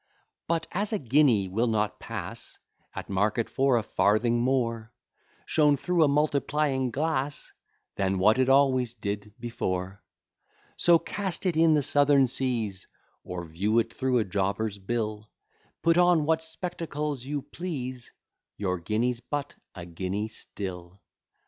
But, as a guinea will not pass At market for a farthing more, Shown through a multiplying glass, Than what it always did before: So cast it in the Southern seas, Or view it through a jobber's bill; Put on what spectacles you please, Your guinea's but a guinea still.